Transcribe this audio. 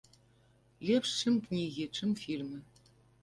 Лепш, чым кнігі, чым фільмы.